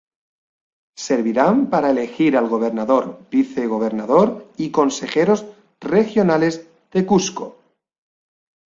Servirán para elegir al gobernador, vicegobernador y consejeros regionales de Cusco.